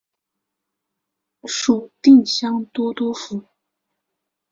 属定襄都督府。